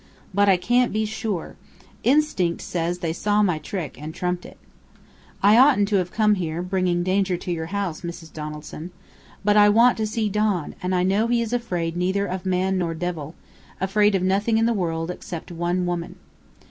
But I can't be sure. Instinct says they saw my trick and trumped it. "I oughtn't to have come here, bringing danger to your house, Mrs. Donaldson. But I want to see Don, and I know he is afraid neither of man nor devil afraid of nothing in the world except one woman.